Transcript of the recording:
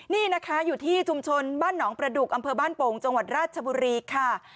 นี่นะคะอยู่ที่ชุมชนบ้านหนองประดุกอำเภอบ้านโป่งจังหวัดราชบุรีค่ะ